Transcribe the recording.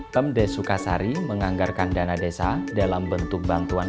pemdes sukasari menganggarkan dana desa dalam bentuk bantuan